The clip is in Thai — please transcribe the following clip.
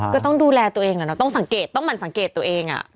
ก็ต้องดูแลตัวเองแหละเนาะต้องสังเกตต้องหั่นสังเกตตัวเอง